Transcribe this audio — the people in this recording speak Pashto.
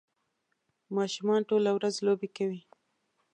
ماشومان ټوله ورځ لوبې کوي.